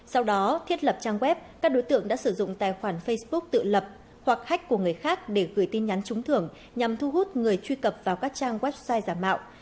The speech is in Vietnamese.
sau đó thiết lập trang web các đối tượng đã sử dụng tài khoản facebook tự lập hoặc hách của người khác để gửi tin nhắn trúng thưởng nhằm thu hút người truy cập vào các trang website giả mạo